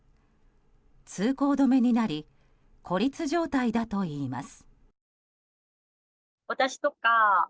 通行止めになり孤立状態だといいます。